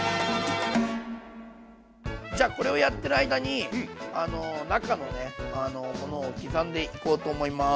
じゃこれをやってる間に中のねものを刻んでいこうと思います。